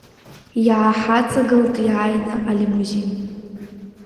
Иааҳаҵагылт иааины алимузин.